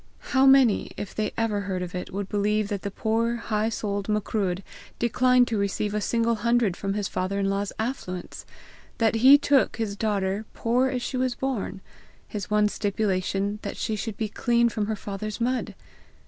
How many, if they ever heard of it, would believe that the poor, high souled Macruadh declined to receive a single hundred from his father in law's affluence! That he took his daughter poor as she was born his one stipulation that she should be clean from her father's mud!